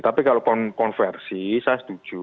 tapi kalau konversi saya setuju